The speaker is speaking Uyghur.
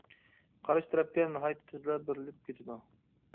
قارشى تەرەپكە ناھايىتى تېزلا بېرىلىپ كېتىدۇ.